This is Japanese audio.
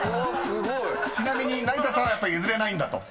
［ちなみに成田さんはやっぱ譲れないんだと］